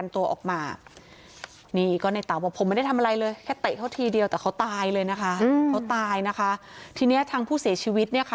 แต่เขาตายเลยนะคะเขาตายนะคะทีนี้ทางผู้เสียชีวิตเนี่ยค่ะ